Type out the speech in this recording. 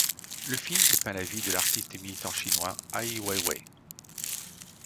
Le film dépeint la vie de l'artiste et militant chinois Ai Weiwei.